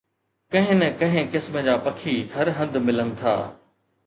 ڪنهن نه ڪنهن قسم جا پکي هر هنڌ ملن ٿا